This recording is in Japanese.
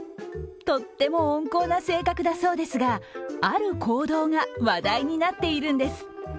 とっても温厚な性格だそうですがある行動が話題になっているんです。